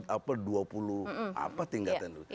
apa dua puluh apa tingkatnya dulu